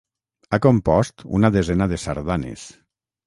Ha compost una desena de sardanes.